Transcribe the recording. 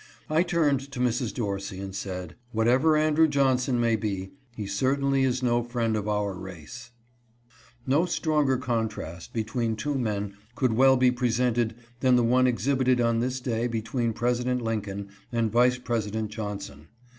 I turned to Mrs. Dorsey and said, "Whatever Andrew Johnson may be, he cer tainly is no friend of our race." THE KECEPTION. 443 No stronger contrast between two men could well be presented than the one exhibited on this day between President Lincoln and Vice President Johnson.